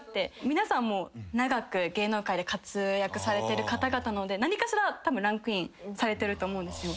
皆さんも長く芸能界で活躍されてる方々なので何かしらランクインされてると思うんですよ。